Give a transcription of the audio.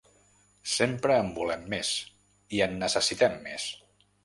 Sempre en volem més, i en necessitem més.